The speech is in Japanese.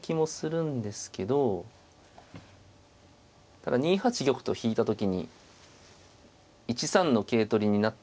ただ２八玉と引いた時に１三の桂取りになっているのが。